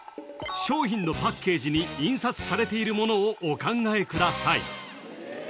商品のパッケージに印刷されているものをお考えください